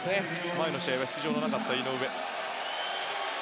前の試合は出場のなかった井上。